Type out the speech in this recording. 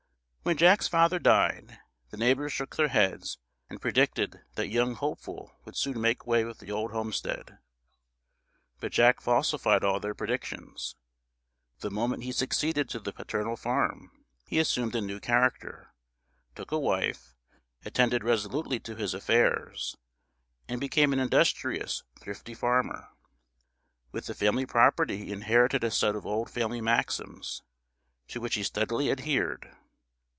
When Jack's father died, the neighbours shook their heads, and predicted that young Hopeful would soon make way with the old homestead; but Jack falsified all their predictions. The moment he succeeded to the paternal farm he assumed a new character; took a wife; attended resolutely to his affairs, and became an industrious, thrifty farmer. With the family property he inherited a set of old family maxims, to which he steadily adhered.